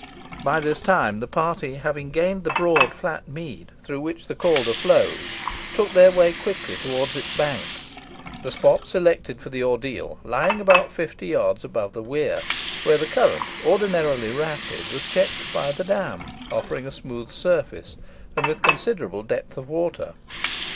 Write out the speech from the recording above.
By this time, the party having gained the broad flat mead through which the Calder flowed, took their way quickly towards its banks, the spot selected for the ordeal lying about fifty yards above the weir, where the current, ordinarily rapid, was checked by the dam, offering a smooth surface, with considerable depth of water.